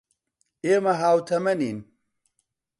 ئێمە ھاوتەمەنین.